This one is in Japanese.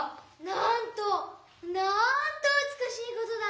「なんとなんとうつくしいことだ！」。